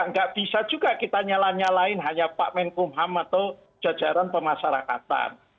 tidak bisa juga kita nyalah nyalahin hanya pak menkumham atau jajaran pemasarakatan